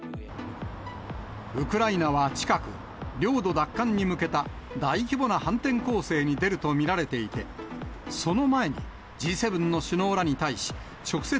ウクライナは近く、領土奪還に向けた大規模な反転攻勢に出ると見られていて、その前に、Ｇ７の首脳らに対し、直接、